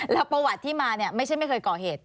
แล้วประวัติที่มาเนี่ยไม่ใช่ไม่เคยก่อเหตุ